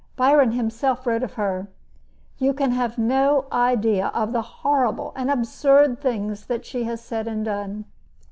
Byron himself wrote of her: You can have no idea of the horrible and absurd things that she has said and done.